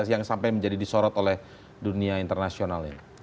yang sampai menjadi disorot oleh dunia internasional ini